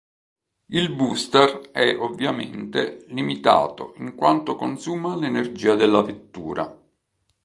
Il booster è, ovviamente, limitato in quanto consuma l'energia della vettura.